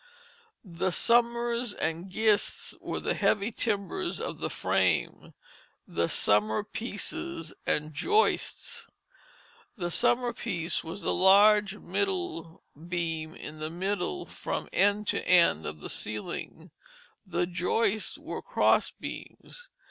The "sumers and gist" were the heavy timbers of the frame, the summer pieces and joists. The summer piece was the large middle beam in the middle from end to end of the ceiling; the joists were cross beams.